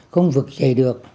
không vực chạy được